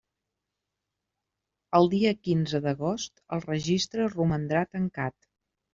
El dia quinze d'agost el registre romandrà tancat.